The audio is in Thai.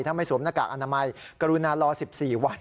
ถ้าไม่สวมหน้ากากอนามัยกรุณารอ๑๔วัน